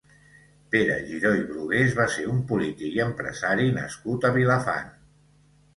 Pere Giró i Brugués va ser un polític i empresari nascut a Vilafant.